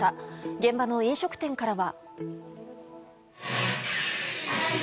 現場の飲食店からは。